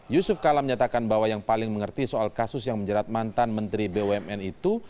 yusuf kala menyatakan bahwa yang paling mengerti soal kasus yang menjerat mantan menteri bumn itu